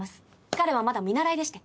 彼はまだ見習いでして。